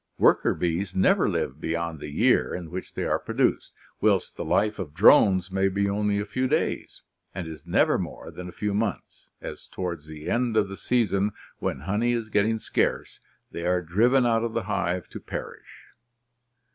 Worker bees never live beyond the year in which they are produced; whilst the life of drones may be only a few days, and is never more than a few months, as towards the end of the season, when honey is getting scarce, they are driven out of the hive to perish.